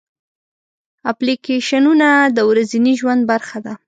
اپلیکیشنونه د ورځني ژوند برخه ده.